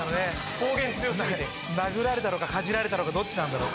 方言強すぎて殴られたのかかじられたのかどっちなんだろう？